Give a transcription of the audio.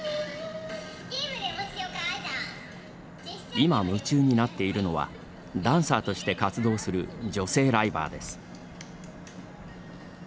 今、夢中になっているのはダンサーとして活動する女性ライバーです。